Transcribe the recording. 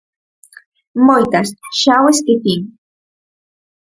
Moitas, xa o esquecín.